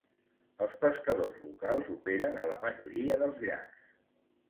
Els pescadors locals operen a la majoria dels llacs.